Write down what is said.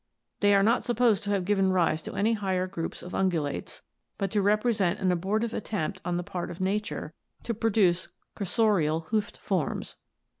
They are not supposed to have given rise to any higher groups of ungulates, but to repre sent an abortive attempt on the part of nature to produce cursorial hoofed forms.